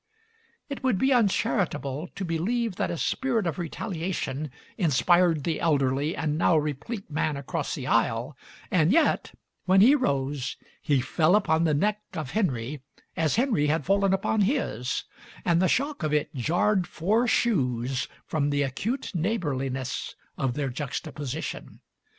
It would be uncharitable to believe that a spirit of retaliation inspired the elderly and now replete man across the aisle, and yet, when he rose, he fell upon the neck of Henry as Henry had fallen upon his, and the shock of it jarred four shoes from the acute neighbourliness of their juxtaposition.